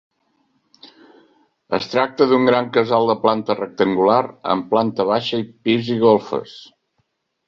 Es tracta d’un gran casal de planta rectangular, amb planta baixa, pis i golfes.